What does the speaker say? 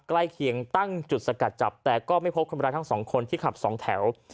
ใกล้เคียงตั้งจุดสกัดจับแต่ก็ไม่พบคนร้ายทั้งสองคนที่ขับสองแถว